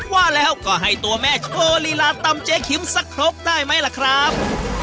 ว่าแล้วก็ให้ตัวแม่โชว์ลีลาตำเจ๊คิมสักครบได้ไหมล่ะครับ